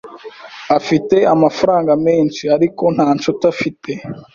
Afite amafaranga menshi, ariko nta nshuti afite.